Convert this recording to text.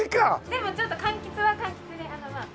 でもちょっと柑橘は柑橘であのまあ。